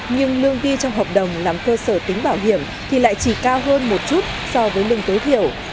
nhưng lương ghi trong hợp đồng làm cơ sở tính bảo hiểm thì lại chỉ cao hơn một chút so với lương tối thiểu